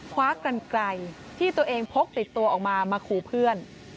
คว้ากันไกลที่ตัวเองพกติดตัวออกมามาขู่เพื่อน